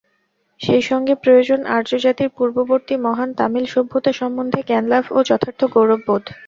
সেইসঙ্গে প্রয়োজন আর্যজাতির পূর্ববর্তী মহান তামিল-সভ্যতা সম্বন্ধে জ্ঞানলাভ ও যথার্থ গৌরববোধ।